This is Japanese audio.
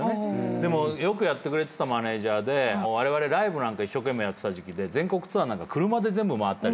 でもよくやってくれてたマネジャーでわれわれライブなんか一生懸命やってた時期で全国ツアーなんか車で全部回ったりして。